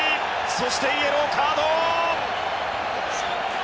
そしてイエローカード！